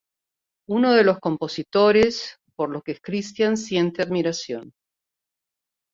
Uno de los compositores por los que Christian siente admiración.